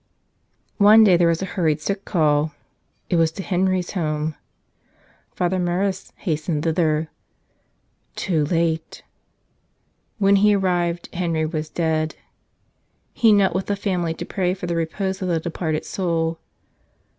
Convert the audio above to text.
One day there was a hurried sick call. It was to Henry's home. Father Meriss hastened thither. Too late! When he arrived Henry was dead. He knelt with the family to pray for the repose of the departed soul.